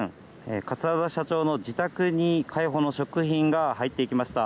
桂田社長の自宅に海保の職員が入っていきました。